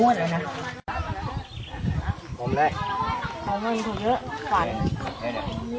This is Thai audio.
สวัสดีครับทุกคน